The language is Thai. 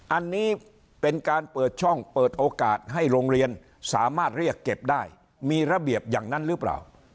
อันนี้เป็นการเปิดช่องเปิดโอกาสให้โรงเรียนสามารถเรียกเก็บได้มีระเบียบอย่างนั้นหรือเปล่า